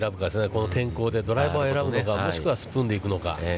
この天候で、ドライバーを選ぶのか、もしくはスプーンで行くのか。